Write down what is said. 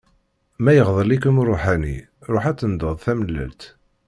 Ma iɣḍel-ikem uruḥani, ruḥ ad tenḍeḍ tamellalt.